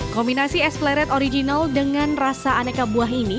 kombinasi es pleret original dengan rasa aneka buah ini